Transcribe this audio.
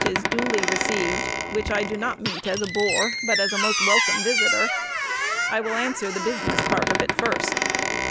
is duly received, which I do not meet as a "bore," but as a most welcome visitor. I will answer the business part of it first.